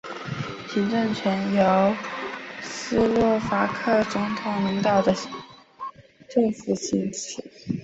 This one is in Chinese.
行政权则由斯洛伐克总理领导的政府行使。